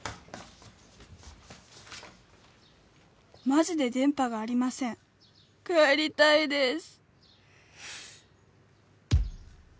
「マジで電波がありません帰りたいです」